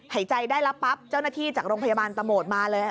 หายใจได้แล้วปั๊บเจ้าหน้าที่จากโรงพยาบาลตำรวจมาเลย